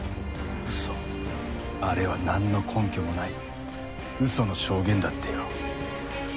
あれはなんの根拠もない嘘の証言だってよ。